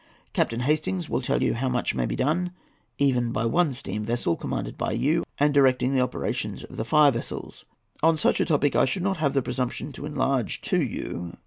Captain Hastings will tell you how much may be done even by one steam vessel, commanded by you, and directing the operations of the fire vessels. On such a topic I should not have the presumption to enlarge to you.